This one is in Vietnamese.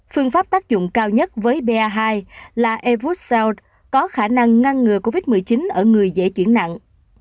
phương pháp tác dụng cao nhất với ba là airvusot có khả năng ngăn ngừa covid một mươi chín ở người dễ chuyển nặng